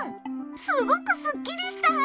すごくすっきりした！